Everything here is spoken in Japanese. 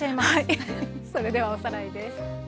それではおさらいです。